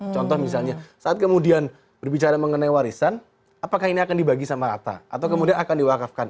contoh misalnya saat kemudian berbicara mengenai warisan apakah ini akan dibagi sama rata atau kemudian akan diwakafkan